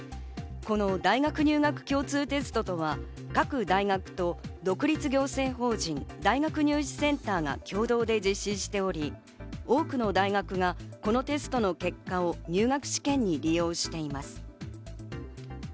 この大学入学共通テストとは各大学と独立行政法人・大学入試センターが共同で実施しており、多くの大学がこのテストの結果を入学試験に利用しています。